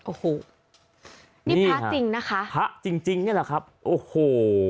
โอ้โหนี่พระจริงนะคะพระจริงจริงนี่แหละครับโอ้โห